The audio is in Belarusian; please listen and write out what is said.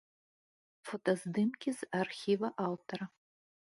Фотаздымкі з архіва аўтара.